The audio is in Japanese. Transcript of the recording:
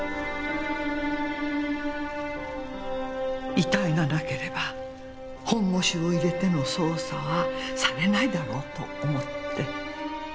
遺体がなければ本腰を入れての捜査はされないだろうと思って。